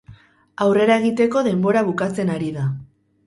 Aurrera egiteko denbora bukatzen ari da.